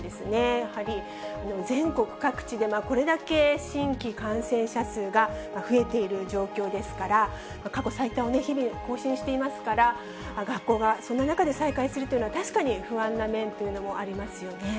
やはり、全国各地でこれだけ新規感染者数が増えている状況ですから、過去最多を日々更新していますから、学校がそんな中で再開するというのは、確かに不安な面というのもありますよね。